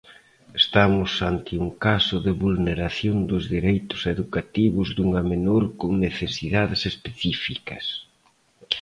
"Estamos ante un caso de vulneración dos dereitos educativos dunha menor con necesidades específicas".